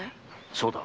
そうだ。